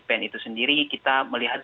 pen itu sendiri kita melihat